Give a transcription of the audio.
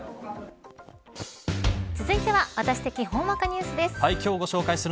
続いてはワタシ的ほんわかニュースです。